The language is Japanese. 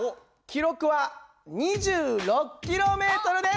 記録は２６ｋｍです！